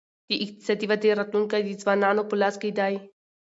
د اقتصادي ودې راتلونکی د ځوانانو په لاس کي دی.